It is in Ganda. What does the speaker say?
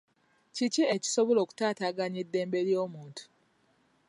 Kiki ekisobola okutaataaganya eddembe lyomuntu?